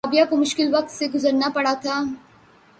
رابعہ کو مشکل وقت سے گزرنا پڑا تھا